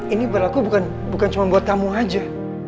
ini berlaku bukan cuma buat kamu aja